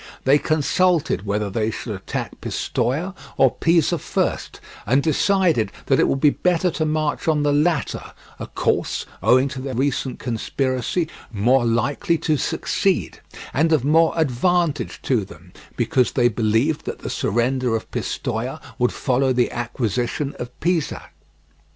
They consulted whether they should attack Pistoia or Pisa first, and decided that it would be better to march on the latter—a course, owing to the recent conspiracy, more likely to succeed, and of more advantage to them, because they believed that the surrender of Pistoia would follow the acquisition of Pisa.